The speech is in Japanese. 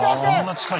近い！